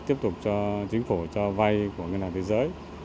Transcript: tiếp tục cho chính phủ cho vay của ngân hàng thế giới